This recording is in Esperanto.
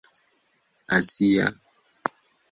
azia